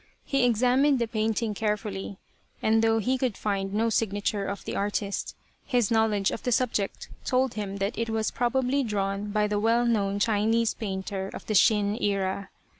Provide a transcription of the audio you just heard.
He examined the painting carefully, and though he could find no signature of the artist, his knowledge of the subject told him that it was probably drawn by the well known Chinese painter of the Shin era.